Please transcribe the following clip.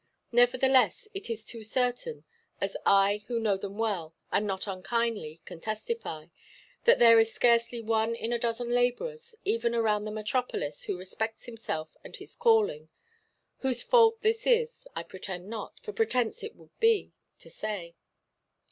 Nevertheless, it is too certain—as I, who know them well, and not unkindly, can testify—that there is scarcely one in a dozen labourers, even around the metropolis, who respects himself and his calling. Whose fault this is, I pretend not—for pretence it would be—to say.